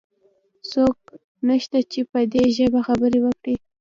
څوک نشته چې په دي ژبه خبرې وکړي؟